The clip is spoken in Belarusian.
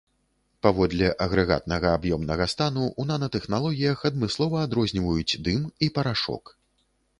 Паводле агрэгатнага аб'ёмнага стану, у нанатэхналогіях адмыслова адрозніваюць дым і парашок.